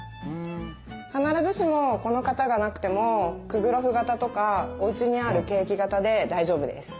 必ずしもこの型がなくてもクグロフ型とかおうちにあるケーキ型で大丈夫です。